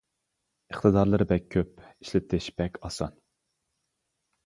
ئىقتىدارلىرى بەك كۆپ، ئىشلىتىش بەك ئاسان.